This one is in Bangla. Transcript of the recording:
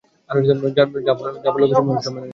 যা বললে, খুশি মনে সব মেনে নিলাম।